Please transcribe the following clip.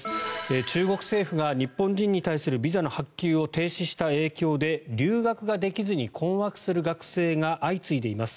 中国政府が日本人に対するビザの発給を停止した影響で留学ができずに困惑する学生が相次いでいます。